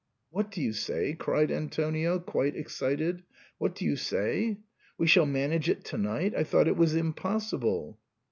" What do you say ?" cried Antonio, quite excited ;" what do you say ? We shall manage it to night ? I thought it was impossible."